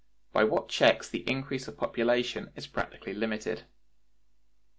By what Checks the Increase of Population is Practically Limited.